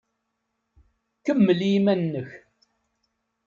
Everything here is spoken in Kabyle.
Kemmel i yiman-nnek.